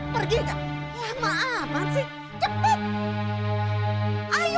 pergi ya maafan sih cepet